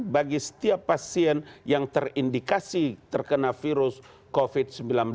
bagi setiap pasien yang terindikasi terkena virus covid sembilan belas